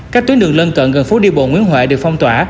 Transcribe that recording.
các tuyến đường lân cận gần phố đi bộ nguyễn huệ được phong tỏa